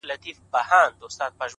لکه وچ زړی د خاورو تل ته لاړم